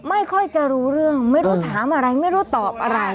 ไม่ค่อยจะรู้เรื่องไม่รู้ถามอะไรไม่รู้ตอบอะไร